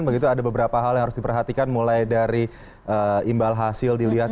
begitu ada beberapa hal yang harus diperhatikan mulai dari imbal hasil dilihat